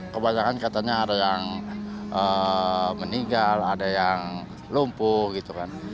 kebanyakan katanya ada yang meninggal ada yang lumpuh gitu kan